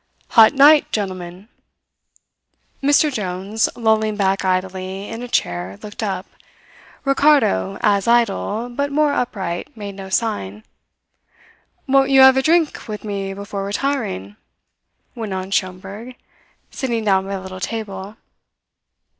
"Hot night, gentlemen." Mr Jones, lolling back idly in a chair, looked up. Ricardo, as idle, but more upright, made no sign. "Won't you have a drink with me before retiring?" went on Schomberg, sitting down by the little table.